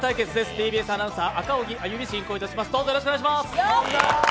ＴＢＳアナウンサー・赤荻歩、進行いたします。